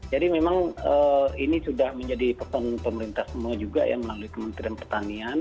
jadi memang ini sudah menjadi pesan pemerintah semua juga ya melalui kementerian pertanian